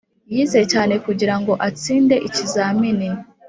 yize cyane kugirango atsinde ikizamini.